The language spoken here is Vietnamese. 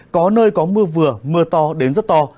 có nơi có mưa vừa mưa to đến rất to